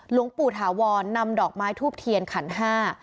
หลวงปู่ถาวรนำดอกไม้ทูบเทียนขันห้า